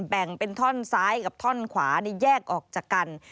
แบ่งเป็นท่อนซ้ายกับท่อนขวาแยกออกจากกัน